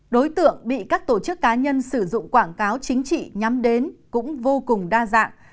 đối tượng bị các tổ chức cá nhân sử dụng quảng cáo chính trị nhắm đến cũng vô cùng đa dạng